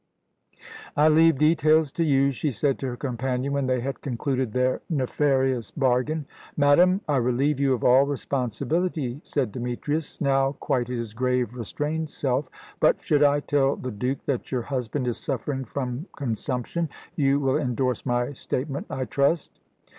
"I leave details to you," she said to her companion, when they had concluded their nefarious bargain. "Madame, I relieve you of all responsibility," said Demetrius, now quite his grave, restrained self. "But, should I tell the Duke that your husband is suffering from consumption, you will endorse my statement, I trust."